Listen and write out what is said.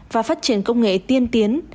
và phát triển công nghệ tiên tiến